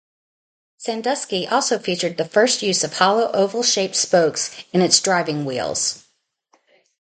"Sandusky" also featured the first use of hollow oval-shaped spokes in its driving wheels.